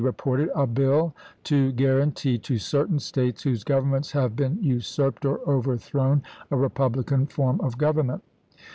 v. reported "a bill to guarantee to certain States whose governments have been usurped or over "Globe," thrown a republican form of government."